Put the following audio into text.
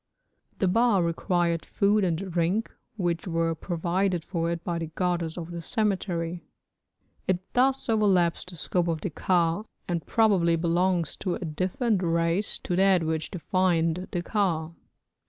The ba required food and drink, which were provided for it by the goddess of the cemetery. It thus overlaps the scope of the ka, and probably belongs to a different race to that which defined the ka.